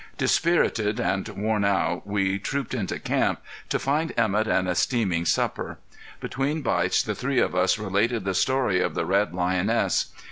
Dispirited and worn out, we trooped into camp to find Emett and a steaming supper. Between bites the three of us related the story of the red lioness.